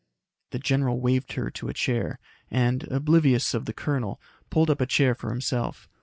The general waved her to a chair and, oblivious of the colonel, pulled up a chair for himself.